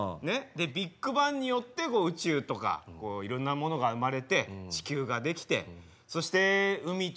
ビッグバンによって宇宙とかいろんなものが生まれて地球が出来てそして海とか山とかが出来ましたね。